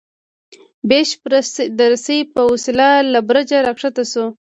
بیشپ د رسۍ په وسیله له برجه راکښته شو.